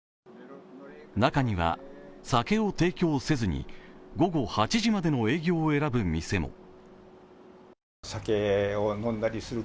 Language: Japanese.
中には酒を提供せずに午後８時までの営業を選ぶ店も。